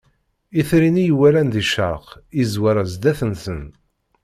Itri-nni i walan di ccerq izwar zdat-nsen.